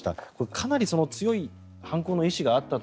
かなり強い犯行の意思があったと。